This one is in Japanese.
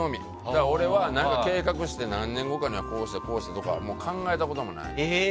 だから俺は計画して何年後かにこうしてとか考えたこともない。